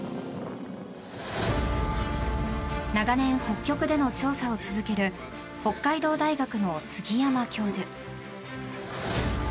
長年、北極での調査を続ける北海道大学の杉山教授。